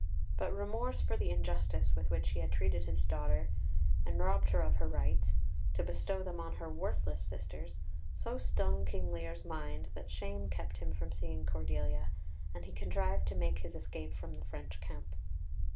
But remorse for the injustice with which he had treated this daughter, and robbed her of her rights, to bestow them on her worthless sisters, so stung King Lear's mind that shame kept him from seeing Cordelia, and he contrived to make his escape from the French camp.